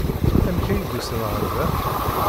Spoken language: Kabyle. Amek ay d-usan ɣer da?